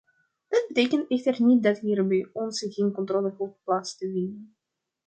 Dat betekent echter niet dat hier bij ons geen controle hoeft plaats te vinden.